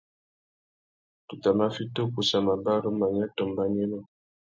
Tu tà mà fiti ukussa mabarú, manya tô mbanuénô.